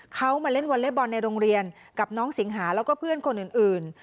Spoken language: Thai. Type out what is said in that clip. เขามาเล่นวอเล็กบอลในโรงเรียนกับน้องสิงหาแล้วก็เพื่อนคนอื่น